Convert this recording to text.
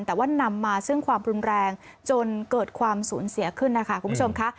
แต่ว่านำมาซึ่งความรุนแรงจนเกิดความสูญเสียขึ้นนะคะคุณผู้ชมค่ะ